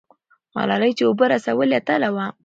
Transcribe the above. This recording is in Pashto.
ملالۍ چې اوبه رسولې، اتله وه.